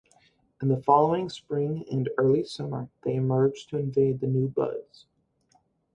In the following spring and early summer they emerge to invade the new buds.